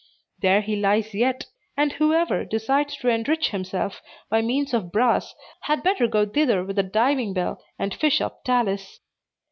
There he lies yet; and whoever desires to enrich himself by means of brass had better go thither with a diving bell, and fish up Talus.